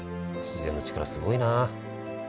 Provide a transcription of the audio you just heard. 自然の力すごいな。